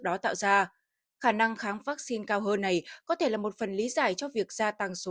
đó tạo ra khả năng kháng vaccine cao hơn này có thể là một phần lý giải cho việc gia tăng số